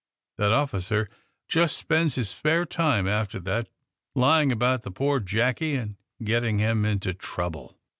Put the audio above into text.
That officer just spends his spare time, after that, lying about the poor Jackie and getting him into trouble."